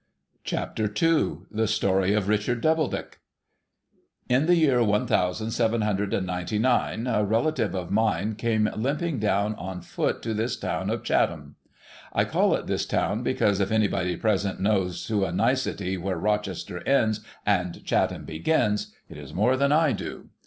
CHAPTER n THE STORY OF RICHARD DOUBLEDICK In the year one thousand seven hundred and ninety nine, a relative of mine came limping down, on foot, to this town of Chatham. I call it this town, because if anybody present knows to a nicety where Rochester ends and Chatham begins, it is more than I do.